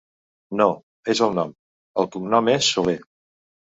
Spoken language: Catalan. No, és el nom. El cognom és Solé.